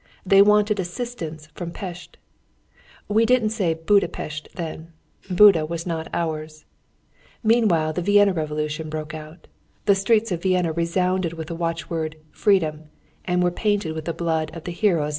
They wanted assistance from Pest. We didn't say Buda Pest then, Buda was not ours.... Meanwhile the Vienna Revolution broke out. The streets of Vienna resounded with the watchword "Freedom," and were painted with the blood of the heroes that had fallen for it.